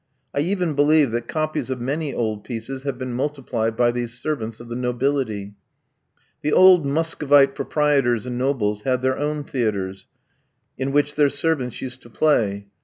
I even believe that copies of many old pieces have been multiplied by these servants of the nobility. The old Muscovite proprietors and nobles had their own theatres, in which their servants used to play.